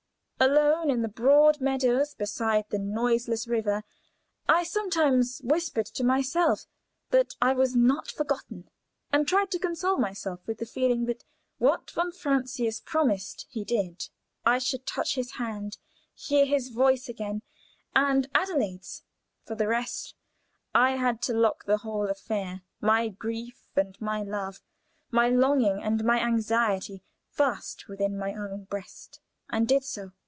Alone in the broad meadows, beside the noiseless river, I sometimes whispered to myself that I was not forgotten, and tried to console myself with the feeling that what von Francius promised he did I should touch his hand, hear his voice again and Adelaide's. For the rest, I had to lock the whole affair my grief and my love, my longing and my anxiety, fast within my own breast, and did so.